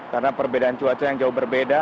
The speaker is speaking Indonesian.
karena perbedaan cuaca yang jauh berbeda